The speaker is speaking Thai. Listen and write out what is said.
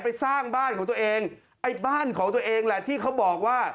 สร้างบ้านของตัวเองไอ้บ้านของตัวเองแหละที่เขาบอกว่า